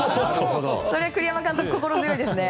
それ栗山監督心強いですね。